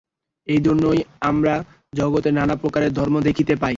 এই জন্যই আমরা জগতে নানা প্রকারের ধর্ম দেখিতে পাই।